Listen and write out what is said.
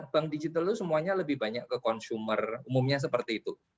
bank digital itu semuanya lebih banyak ke consumer umumnya seperti itu